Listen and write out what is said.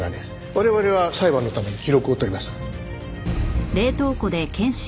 我々は裁判のために記録を取ります。